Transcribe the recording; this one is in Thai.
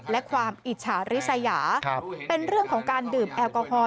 และความอิจฉาริสยาเป็นเรื่องของการดื่มแอลกอฮอล